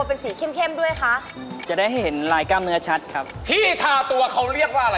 เบอร์๒ค่ะจริงไหมคะที่เขาบอกว่า